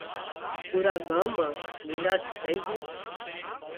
پُورا ڳام مان نيلاش ٿئي جھئي